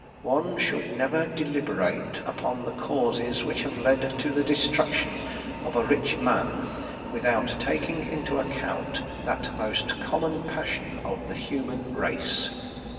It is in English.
"One should never deliberate upon the causes which have led to the destruction of a rich man without taking into account that most common passion of the human race."